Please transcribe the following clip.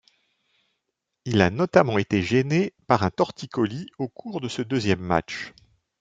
Il a notamment été gêné par un torticolis au cours de ce deuxième match.